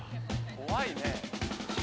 怖いね。